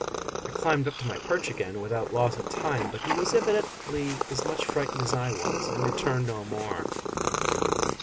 I climbed up to my perch again without loss of time, but he was evidently as much frightened as I was, and returned no more.